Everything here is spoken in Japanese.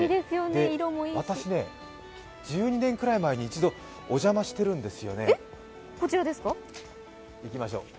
私ね、１０年ぐらい前に一度、お邪魔しているんですよね。